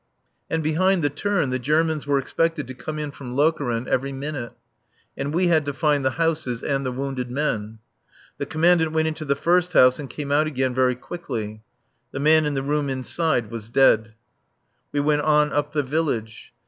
And behind the turn the Germans were expected to come in from Lokeren every minute. And we had to find the houses and the wounded men. The Commandant went into the first house and came out again very quickly. The man in the room inside was dead. We went on up the village.